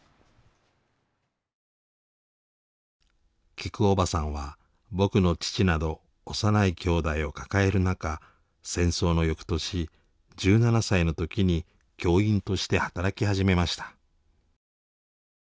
きくおばさんは僕の父など幼い兄弟を抱える中戦争の翌年１７歳の時に教員として働き始めました。